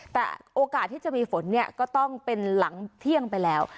แต่โอกาสที่จะมีฝนเนี่ยก็ต้องเป็นหลังเที่ยงไปแล้ว